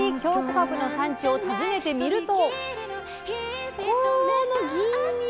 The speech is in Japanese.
かぶの産地を訪ねてみると。